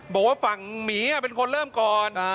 บอกว่าฝั่งหมีเป็นคนเริ่มก่อน